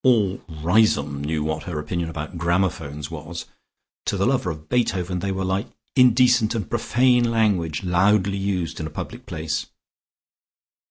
All Riseholme knew what her opinion about gramophones was; to the lover of Beethoven they were like indecent and profane language loudly used in a public place.